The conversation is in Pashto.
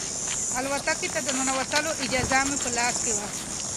الوتکې ته د ننوتلو اجازه مې په لاس کې وه.